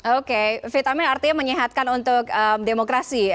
oke vitamin artinya menyehatkan untuk demokrasi